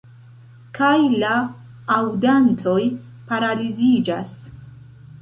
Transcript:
Kaj la aŭdantoj paraliziĝas.